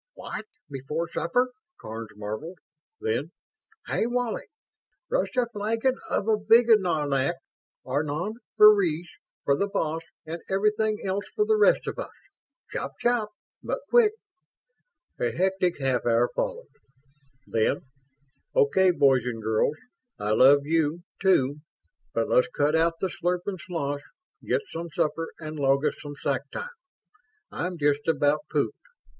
"What, before supper?" Karns marveled. Then, "Hey, Wally! Rush a flagon of avignognac Arnaud Freres for the boss and everything else for the rest of us. Chop chop but quick!" A hectic half hour followed. Then, "Okay, boys and girls, I love you, too, but let's cut out the slurp and sloosh, get some supper and log us some sack time. I'm just about pooped.